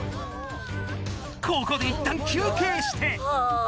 ここでいったん休憩して。